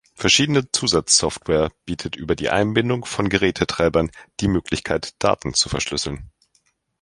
Verschiedene Zusatzsoftware bietet über die Einbindung von Gerätetreibern die Möglichkeit Daten zu verschlüsseln.